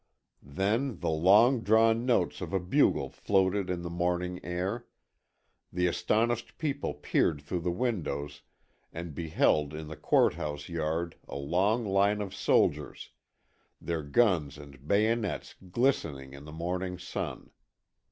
Then the long drawn notes of a bugle floated in the morning air the astonished people peered through the windows and beheld in the court house yard a long line of soldiers, their guns and bayonets glistening in the morning sun.